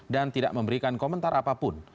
dan tidak memberikan komentar apapun